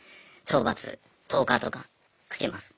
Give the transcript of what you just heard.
懲罰１０日とかかけます。